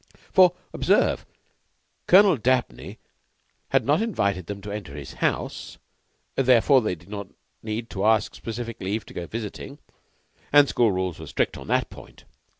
For, observe, Colonel Dabney had not invited them to enter his house. Therefore, they did not need to ask specific leave to go visiting; and school rules were strict on that point.